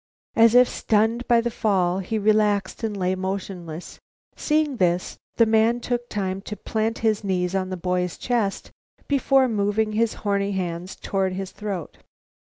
As if stunned by the fall, he relaxed and lay motionless. Seeing this, the man took time to plant his knees on the boy's chest before moving his horny hands toward his throat.